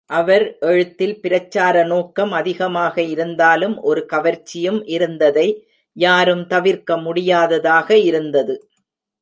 அவர் எழுத்தில் பிரச்சார நோக்கம் அதிகமாக இருந்தாலும் ஒரு கவர்ச்சியும் இருந்ததை யாரும் தவிர்க்க முடியாததாக இருந்தது.